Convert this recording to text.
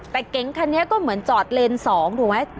แต่เก๋งคันนี้ก็เหมือนจอดเลนส์๒ถูกไหม